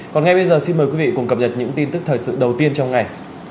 còn ngay bây giờ xin mời quý vị cùng cập nhật những tin tức thời sự đầu tiên trong ngày